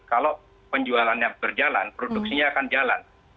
kalau penjualannya berjalan produksinya akan jalan